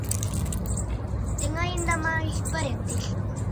Ten aínda máis parentes?